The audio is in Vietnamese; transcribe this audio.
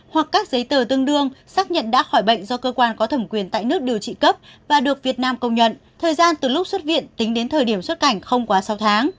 hoặc các giấy tờ tương đương xác nhận đã khỏi bệnh do cơ quan có thẩm quyền tại nước điều trị cấp và được việt nam công nhận thời gian từ lúc xuất viện tính đến thời điểm xuất cảnh không quá sáu tháng